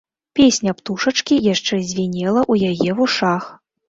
Песня птушачкі яшчэ звінела ў яе вушах.